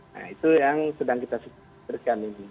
nah itu yang sedang kita berikan ini